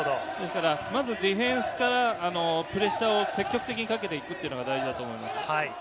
まずディフェンスからプレッシャーを積極的にかけていくというのが大事だと思います。